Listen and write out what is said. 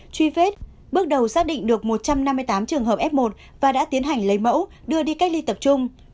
truy vết bước đầu xác định được một trăm năm mươi tám trường hợp f một và đã tiến hành lấy mẫu đưa đi cách ly tập trung